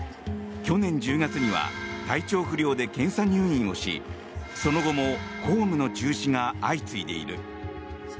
去年１０月には体調不良で検査入院をしその後も公務の中止が相次いでいる。